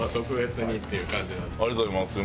ありがとうございます。